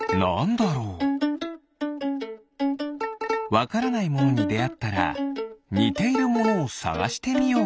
わからないものにであったらにているものをさがしてみよう！